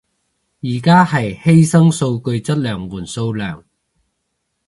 而家係犧牲數據質量換數量